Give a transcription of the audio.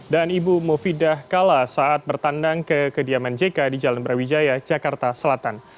dan ibu mufidah kala saat bertandang ke kediaman jk di jalan brawijaya jakarta selatan